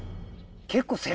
結構。